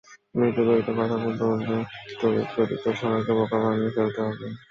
মৃদু গতিতে কথা বলতে বলতে ত্বরিতগতিতে সবাইকে বোকা বানিয়ে ফেলতে হবে।